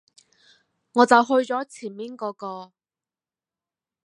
我就去左前面果個